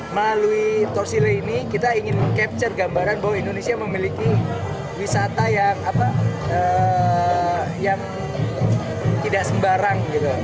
melalui torsile ini kita ingin capture gambaran bahwa indonesia memiliki wisata yang tidak sembarang